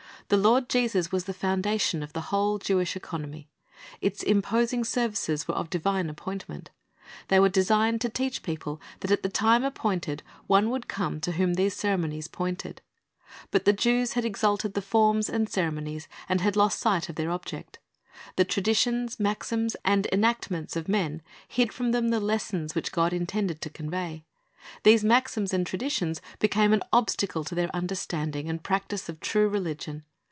The Lord Jesus was the foundation of the whole Jewish economy. Its imposing .services were of divine appointment. They were designed to teach the people that at the time appointed One would come to whom those ceremonies pointed. But the Jews had exalted the forms and ceremonies, and had lost sight of their object. The traditions, maxims, and enactments of > R. V. '' TJi e So IV c r We n t F o rth to S ozu" 35 men hid from them the lessons which God intended to convey. These maxims and traditions became an obstacle to their understanding and practise of true religion.